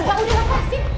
udah gak udah lepasin